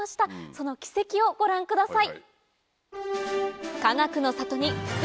その軌跡をご覧ください。